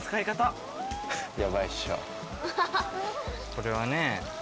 これはね。